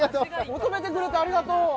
求めてくれてありがとう。